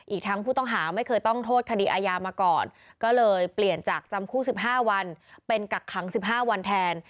อีกทั้งผู้ต้องหาไม่เคยต้องโทษคดีอาญามาก่อนก็เลยเปลี่ยนจากจำคุก๑๕วันเป็นกักขัง๑๕วันแทน